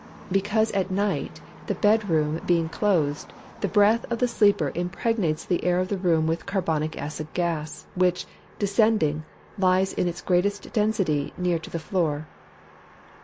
_ Because at night, the bed room being closed, the breath of the sleeper impregnates the air of the room with carbonic acid gas, which, descending, lies in its greatest density near to the floor.